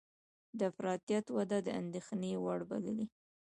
د افراطیت وده د اندېښنې وړ بللې